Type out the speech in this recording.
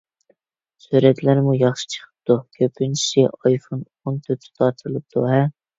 سۈرەتلەرمۇ ياخشى چىقىپتۇ، كۆپىنچىسى ئايفون ئون تۆتتە تارتىلىپتۇ-ھە؟